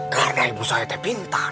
karena ibu saya tepintar